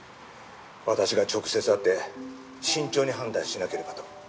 私が直接会って慎重に判断しなければと。